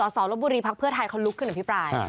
สรบุรีพไทยเขาลุกขึ้นอภิปราย